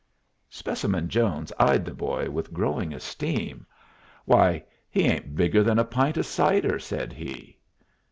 Specimen Jones eyed the boy with growing esteem. "Why, he ain't bigger than a pint of cider," said he.